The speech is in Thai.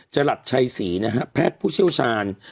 รัชชัยศรีนะฮะแพทย์ผู้เชี่ยวชาญ